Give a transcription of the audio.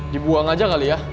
dibuang aja kali ya